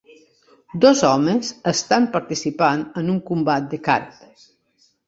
Dos homes estan participant en un combat de karate.